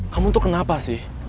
kamu tuh kenapa sih